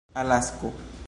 alasko